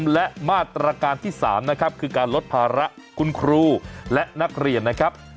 และมาตรการที่๓นะครับคือการลดภาระคุณครูและนักเรียนนะครับ